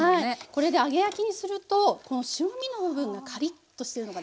これで揚げ焼きにするとこの白身の部分がカリッとしてるのがね